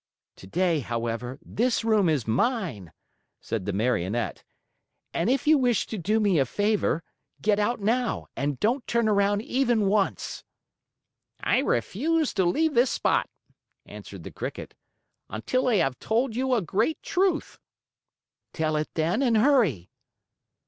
"Today, however, this room is mine," said the Marionette, "and if you wish to do me a favor, get out now, and don't turn around even once." "I refuse to leave this spot," answered the Cricket, "until I have told you a great truth." "Tell it, then, and hurry."